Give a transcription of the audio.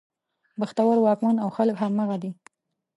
بختور واکمن او خلک همغه دي.